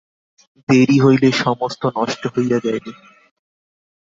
দেরি হইলে সমস্ত নষ্ট হইয়া যাইবে!